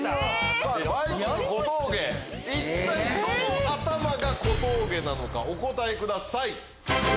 一体どの頭が小峠かお答えください。